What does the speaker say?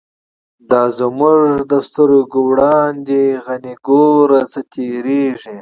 دا زمونږ د سترگو وړاندی، «غنی » گوره څه تیریږی